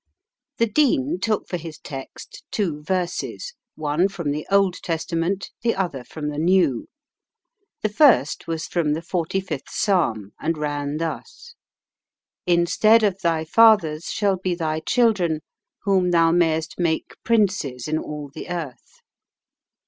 The Dean took for his text two verses, one from the Old Testament, the other from the New. The first was from the 45th Psalm, and ran thus: "Instead of thy fathers shall be thy children, whom thou mayest make princes in all the earth."